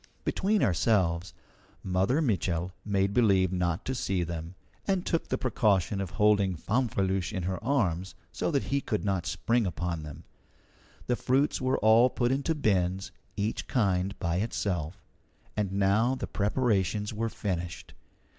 Between ourselves, Mother Mitchel made believe not to see them, and took the precaution of holding Fanfreluche in her arms so that he could not spring upon them. The fruits were all put into bins, each kind by itself. And now the preparations were finished.